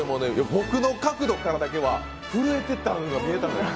僕の角度からだけは震えてたのが見えたの。